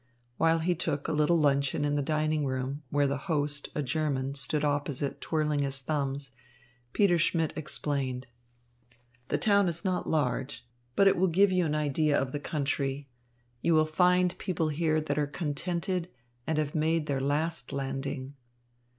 While he took a little luncheon in the dining room, where the host, a German, stood opposite, twirling his thumbs, Peter Schmidt explained: "The town is not large, but it will give you an idea of the country. You will find people here that are contented and have made their last landing."